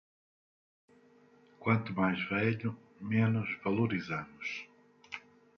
Quanto mais velho, menos valorizamos.